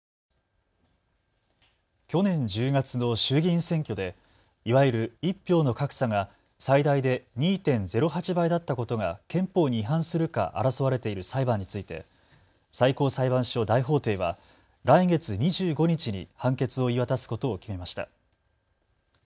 去年１０月の衆議院選挙でいわゆる１票の格差が最大で２．０８倍だったことが憲法に違反するか争われている裁判について最高裁判所大法廷は来月２５日に判決を言い渡すことを決めました。